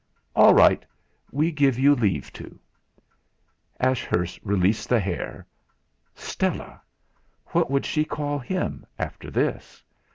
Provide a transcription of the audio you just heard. "All right; we give you leave to!" Ashurst released the hair. Stella! What would she call him after this?